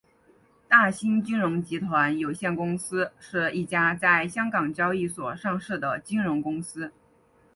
大新金融集团有限公司是一家在香港交易所上市的金融公司。